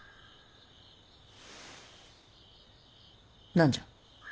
何じゃ。